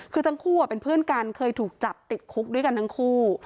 คือทั้งคู่เป็นเพื่อนกันเคยถูกจับติดคุกด้วยกันทั้งคู่